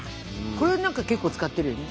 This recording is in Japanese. これは何か結構使ってるよね。